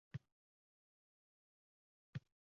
Jo‘jabirdek jonsiz.